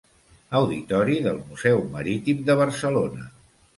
Auditori del Museu Marítim de Barcelona.